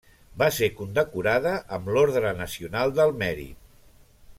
Va ser condecorada amb l'Ordre Nacional del Mèrit.